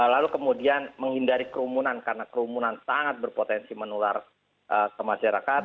lalu kemudian menghindari kerumunan karena kerumunan sangat berpotensi menular ke masyarakat